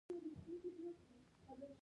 آیا د ښځو په کالیو کې ګلدوزي نه کیږي؟